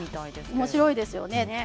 おもしろいですよね